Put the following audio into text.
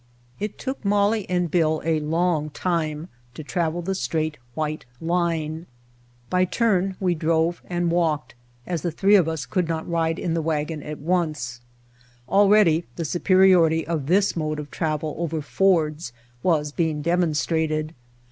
It took Molly and Bill a long time to travel the straight, white line. By turn we drove and walked, as the three of us could not ride in the wagon at once. Already the superiority of this mode of travel over Fords was being dem onstrated.